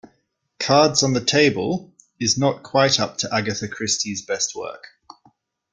"Cards on the Table" is not quite up to Agatha Christie's best work.".